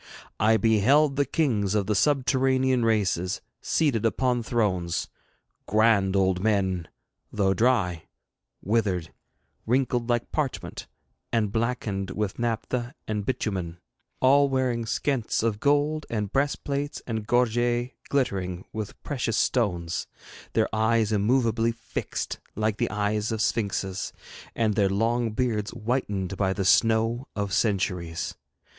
I beheld the kings of the subterranean races seated upon thrones grand old men, though dry, withered, wrinkled like parchment, and blackened with naphtha and bitumen all wearing pshents of gold, and breastplates and gorgets glittering with precious stones, their eyes immovably fixed like the eyes of sphinxes, and their long beards whitened by the snow of centuries.